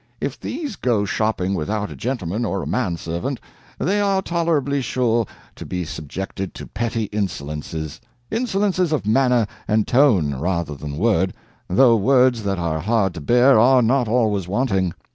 If these go shopping without a gentleman or a man servant, they are tolerably sure to be subjected to petty insolences insolences of manner and tone, rather than word, though words that are hard to bear are not always wanting.